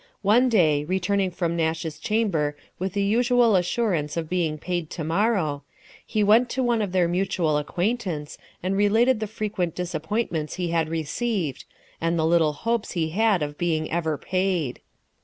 One day, returning from Nash's chamber with the usual assurance of being paid to morrow, he went to one of their mutual acquaintance, and related the frequent disappointments he had received, and the little hopes he had of being ever paid.